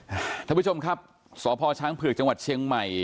ท่านผู้ชมครับสพช้างเผือกจังหวัดเชียงใหม่